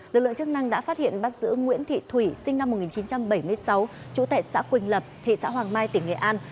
lực lượng chức năng đã phát hiện bắt giữ nguyễn thị thủy sinh năm một nghìn chín trăm bảy mươi sáu trú tại xã quỳnh lập thị xã hoàng mai tỉnh nghệ an